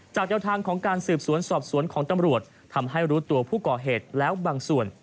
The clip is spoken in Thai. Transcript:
แนวทางของการสืบสวนสอบสวนของตำรวจทำให้รู้ตัวผู้ก่อเหตุแล้วบางส่วน